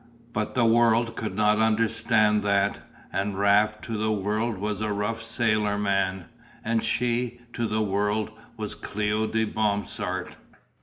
But the world could not understand that, and Raft to the world was a rough sailor man, and she, to the world, was Cléo de Bromsart.